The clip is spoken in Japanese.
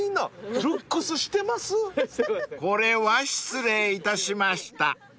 ［これは失礼いたしました］